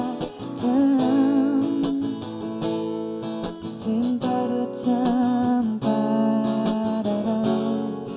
setidaknya kau pada pada